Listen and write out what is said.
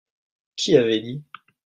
Qui avait dit ?